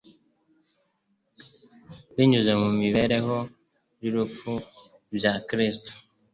Binyuze mu mibereho n'urupfu bya Kristo